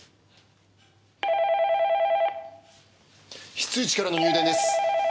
非通知からの入電です。